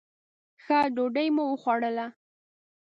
ښه ډوډۍ مو وخوړله.